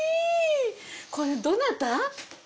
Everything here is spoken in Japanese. これどなた？